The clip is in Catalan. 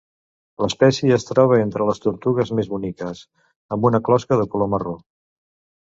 L'espècie es troba entre les tortugues més boniques, amb una closca de color marró.